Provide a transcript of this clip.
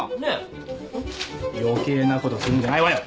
余計なことするんじゃないわよ。